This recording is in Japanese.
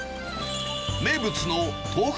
名物の豆腐